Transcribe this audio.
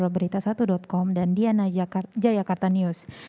berita satu com dan diana jayakarta news